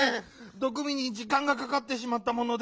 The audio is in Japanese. どくみにじかんがかかってしまったもので。